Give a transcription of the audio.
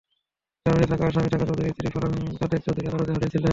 জামিনে থাকা আসামি সাকা চৌধুরীর স্ত্রী ফারহাত কাদের চৌধুরী আদালতে হাজির ছিলেন।